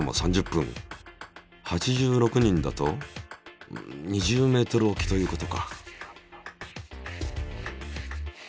８６人だと２０ｍおきということか。